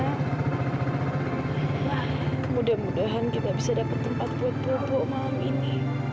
kemudian mudahan kita bisa dapat tempat buat bubuk malam ini